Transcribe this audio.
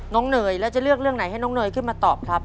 เนยแล้วจะเลือกเรื่องไหนให้น้องเนยขึ้นมาตอบครับ